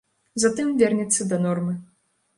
Затым вернецца да нормы.